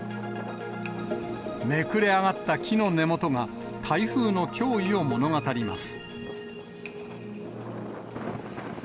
めくれ上がった木の根元が台風の脅威を物語ります。